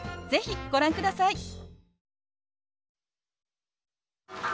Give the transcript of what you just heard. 是非ご覧ください。